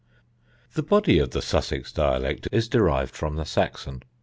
The body of the Sussex dialect is derived from the Saxon.